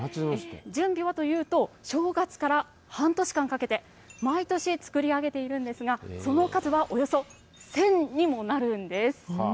準備はというと、正月から半年間かけて、毎年作り上げているんですが、その数はおよそ１０００にもなるんです。